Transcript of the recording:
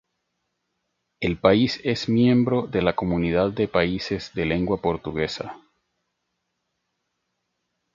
El país es miembro de la Comunidad de Países de Lengua Portuguesa.